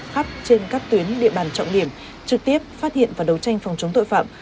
khắp trên các tuyến địa bàn trọng điểm trực tiếp phát hiện và đấu tranh phòng chống tội phạm